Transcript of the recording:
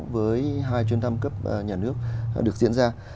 với hai chuyến thăm cấp nhà nước được diễn ra